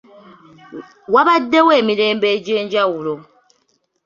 Wabaddewo emirembe egy’enjawulo.